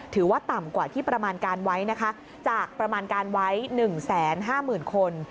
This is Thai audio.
ถือว่าต่ำกว่าที่ประมาณการไว้นะคะจากประมาณการไว้๑๕๐๐๐คน